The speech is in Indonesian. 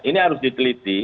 ini harus diteliti